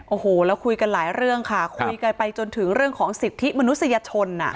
โอ้โหแล้วคุยกันหลายเรื่องค่ะคุยกันไปจนถึงเรื่องของสิทธิมนุษยชน